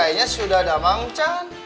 cdi nya sudah ada manggan